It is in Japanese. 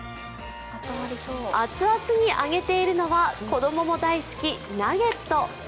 熱々に揚げているのは子供も大好き、ナゲット。